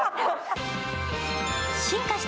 進化した